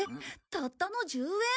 たったの１０円？